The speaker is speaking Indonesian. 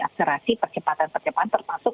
akselerasi percepatan percepatan termasuk